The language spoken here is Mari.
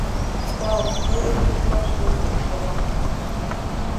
— Тау, мый лучо иктаж весын деч йодам.